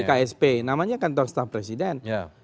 iya di ksp namanya kantor staf presiden